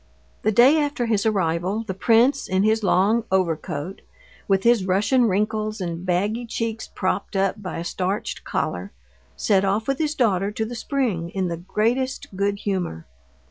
The day after his arrival the prince, in his long overcoat, with his Russian wrinkles and baggy cheeks propped up by a starched collar, set off with his daughter to the spring in the greatest good humor.